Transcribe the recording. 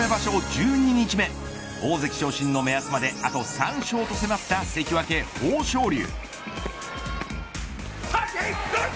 十二日目大関昇進の目安まであと３勝と迫った関脇、豊昇龍。